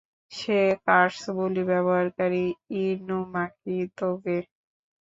সে curse বুলি ব্যবহারকারী, Inumaki তোগে।